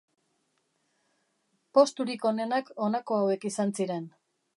Posturik onenak honako hauek izan ziren.